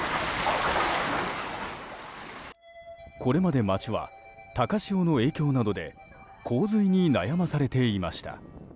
これまで街は高潮の影響などで洪水に悩まされていました。